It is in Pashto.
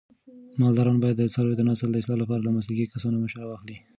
مالداران باید د څارویو د نسل د اصلاح لپاره له مسلکي کسانو مشوره واخلي.